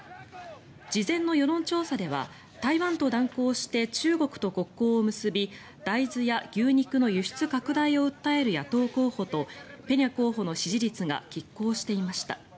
事前の世論調査では台湾と断交して中国と国交を結び大豆や牛肉の輸出拡大を訴える野党候補とペニャ候補の支持率がきっ抗していました。